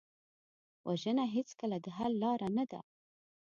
وژنه هېڅکله د حل لاره نه ده